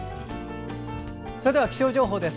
それでは気象情報です。